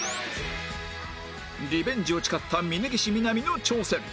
リベンジを誓った峯岸みなみの挑戦